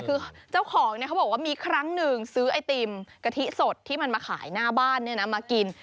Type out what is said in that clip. คือเจ้าของเขาบอกว่ามีครั้งหนึ่งซื้อไอติมกะทิสดที่มันมาขายหน้าบ้านมากิน